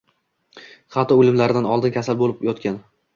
Hatto o‘limlaridan oldin kasal bo‘lib yotgan